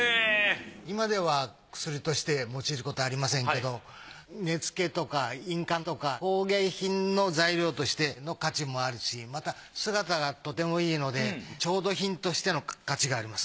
今では薬として用いることはありませんけど根付とか印鑑とか工芸品の材料としての価値もあるしまた姿がとてもいいので調度品としての価値があります。